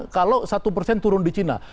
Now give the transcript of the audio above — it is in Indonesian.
kalau satu persen turun di cina